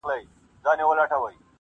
و څښتن د سپي ته ورغله په قار سوه,